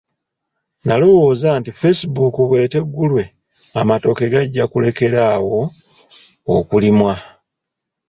Nalowooza nti facebook bweteggulwe amatooke gajja kulekera awo okulimwa.